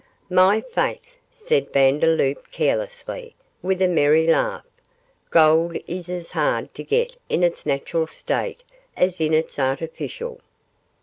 'My faith,' said Vandeloup, carelessly, with a merry laugh, 'gold is as hard to get in its natural state as in its artificial.